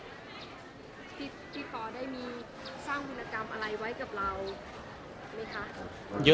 พี่ปอได้มีสร้างวิรกรรมอะไรไว้กับเราไหมคะ